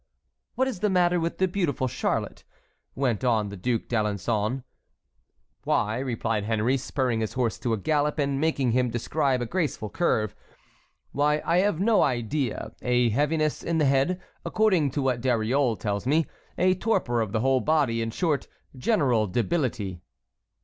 "What is the matter with the beautiful Charlotte?" went on the Duc d'Alençon. "Why," replied Henry, spurring his horse to a gallop, and making him describe a graceful curve; "why, I have no idea,—a heaviness in the head, according to what Dariole tells me. A torpor of the whole body; in short, general debility."